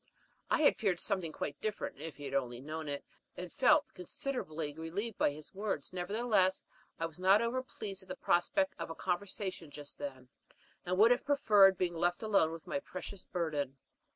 I had feared something quite different, if he had only known it, and felt considerably relieved by his words; nevertheless, I was not over pleased at the prospect of a conversation just then, and should have preferred being left alone with my precious burden.